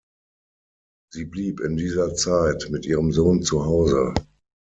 Sie blieb in dieser Zeit mit ihrem Sohn zu Hause.